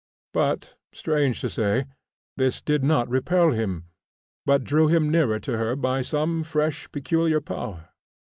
But, strange to say, this did not repel him, but drew him nearer to her by some fresh, peculiar power.